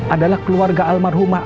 adalah keluarga almarhumah